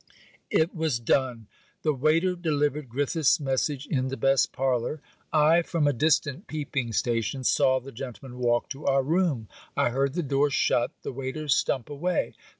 It was done. The waiter delivered Griffiths' message in the best parlour. I, from a distant peeping station, saw the gentleman walk to our room. I heard the door shut the waiter stump away.